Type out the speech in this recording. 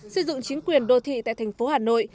xây dựng chính quyền đô thị tại thành phố hà nội